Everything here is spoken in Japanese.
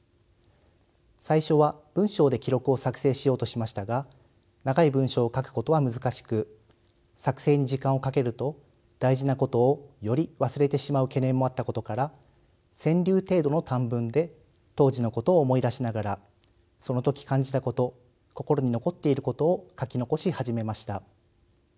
最初は文章で記録を作成しようとしましたが長い文章を書くことは難しく作成に時間をかけると大事なことをより忘れてしまう懸念もあったことから川柳程度の短文で当時のことを思い出しながらその時感じたこと心に残っていることを書き残し始めました。